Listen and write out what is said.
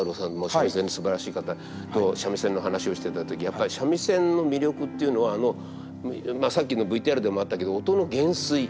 三味線のすばらしい方と三味線の話をしてた時やっぱり三味線の魅力っていうのはさっきのＶＴＲでもあったけど音の減衰。